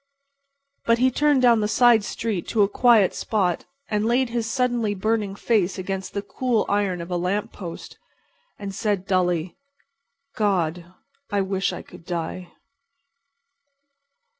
But he turned down the side street to a quiet spot and laid his suddenly burning face against the cool iron of a lamp post, and said dully: "God! I wish I could die."